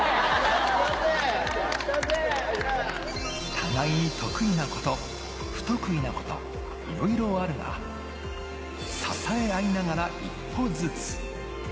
互いに得意なこと、不得意なこと、いろいろあるが、支え合いながら一歩ずつ。